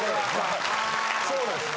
そうなんです。